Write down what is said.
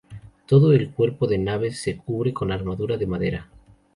Todo el cuerpo de naves se cubre con armadura de madera.